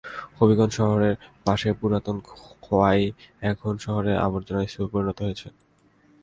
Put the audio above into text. হবিগঞ্জ শহরের পাশের পুরাতন খোয়াই এখন শহরের আবর্জনার স্তূপে পরিণত হয়েছে।